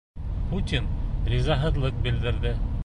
Путин ризаһыҙлыҡ белдерҙе